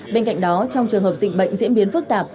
bên cạnh đó trong trường hợp dịch bệnh diễn biến phức tạp